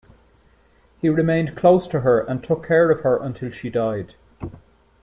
He remained close to her and took care of her until she died.